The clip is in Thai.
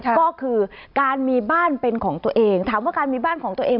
ก็คือการมีบ้านเป็นของตัวเองถามว่าการมีบ้านของตัวเอง